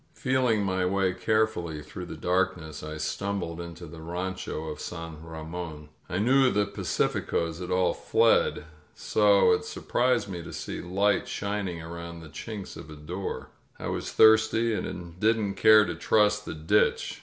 ..." Feeling my way carefully through the darkness, I stumbled into the rancho of San Ramon. I knew that the pacificos had all fled, so it surprised me to see light shining around the chinks of a door. I was thirsty and didn't care to trust the ditch.